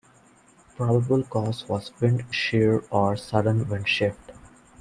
Probable cause was wind shear or sudden windshift.